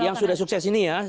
yang sudah sukses ini ya